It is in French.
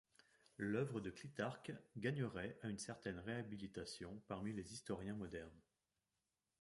L’œuvre de Clitarque gagnerait à une certaine réhabilitation parmi les historiens modernes.